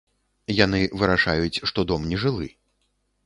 Яны вырашаюць, што дом не жылы.